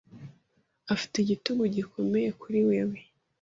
Afite igitugu gikomeye kuri wewe.